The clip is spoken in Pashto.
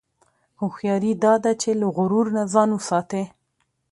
هوښیاري دا ده چې له غرور نه ځان وساتې.